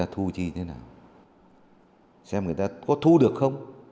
thu chi thế nào xem người ta có thu được không